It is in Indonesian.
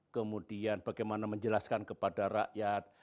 kemudian bagaimana menjelaskan kepada rakyat